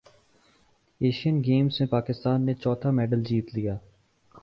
Asian Games میں پاکستان نے چوتھا میڈل جیت لیا